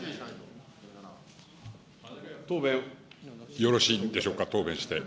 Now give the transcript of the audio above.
よろしいんでしょうか、答弁して。